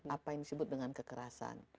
apa yang disebut dengan kekerasan